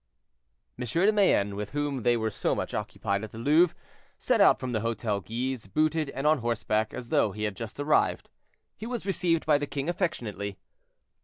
M. de Mayenne, with whom they were so much occupied at the Louvre, set out from the Hotel Guise, booted and on horseback, as though he had just arrived. He was received by the king affectionately.